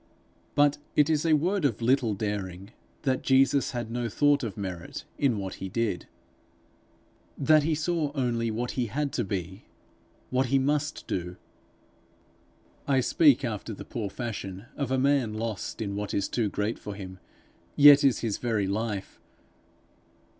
But it is a word of little daring, that Jesus had no thought of merit in what he did that he saw only what he had to be, what he must do. I speak after the poor fashion of a man lost in what is too great for him, yet is his very life.